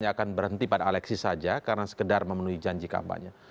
hanya akan berhenti pada alexis saja karena sekedar memenuhi janji kampanye